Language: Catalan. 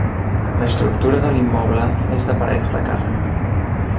L'estructura de l'immoble és de parets de càrrega.